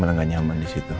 bila gak nyaman disitu